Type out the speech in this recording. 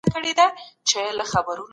تمدنونه د دین او دولت له امله جوړېږي.